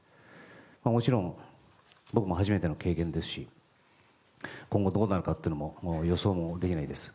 もちろん僕も初めての経験ですし今後、どうなるかというのは予想もできないです。